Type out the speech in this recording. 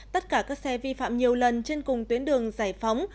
tất cả các xe vi phạm nhiều lần trên cùng tuyến đường giải phóng